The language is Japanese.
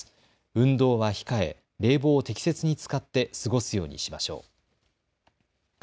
運動は控え、冷房を適切に使って過ごすようにしましょう。